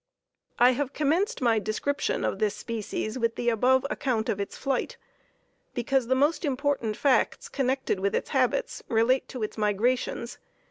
I have commenced my description of this species with the above account of its flight, because the most important facts connected with its habits relate to its migrations.